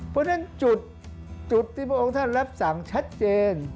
เพราะฉะนั้นจุดที่พระองค์ท่านรับสั่งชัดเจน